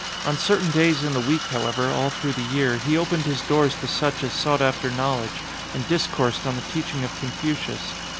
On certain days in the week, however, all through the year he opened his doors to such as sought after knowledge, and discoursed on the teaching of Confucius.